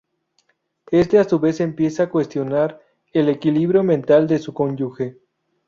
Éste a su vez empieza a a cuestionar el equilibrio mental de su cónyuge.